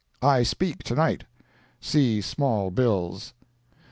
I speak tonight. See small bills.